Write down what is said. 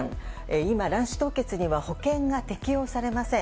今、卵子凍結には保険が適用されません。